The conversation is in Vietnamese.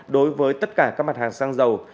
đối với tất cả các mặt hàng xăng dầu